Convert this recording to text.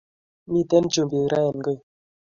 Mmiten chumbik raa en koi